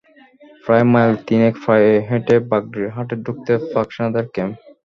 প্রায় মাইল তিনেক পায়ে হেঁটে বাগড়ির হাটে ঢুকতেই পাক সেনাদের ক্যাম্প।